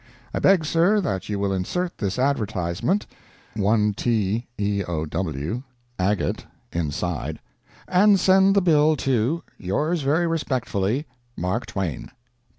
I beg, sir, that you will insert this Advertisement (1t eow, agate, inside), and send the bill to Yours very respectfully. Mark Twain.